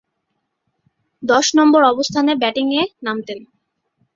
দশ নম্বর অবস্থানে ব্যাটিংয়ে নামতেন।